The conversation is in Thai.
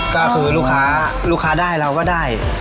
ก็คือลูกค้าได้เราก็ได้